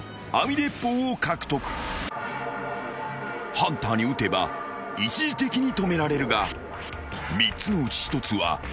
［ハンターに撃てば一時的に止められるが３つのうち１つは空砲］